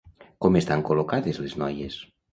Com estan col·locades les noies?